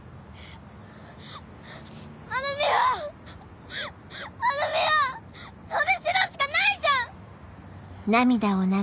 まるみはまるみは伸びしろしかないじゃん！